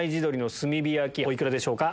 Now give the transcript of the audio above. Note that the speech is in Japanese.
お幾らでしょうか？